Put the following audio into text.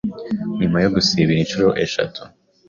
nyuma yo gusibira inshuro eshatu